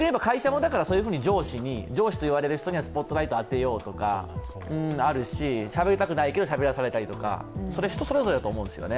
そういうふうに上司といわれる人にはスポットライトを当てようとかしゃべりたくないけどしゃべらされたりとか人それぞれだと思うんですよね。